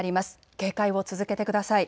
警戒を続けてください。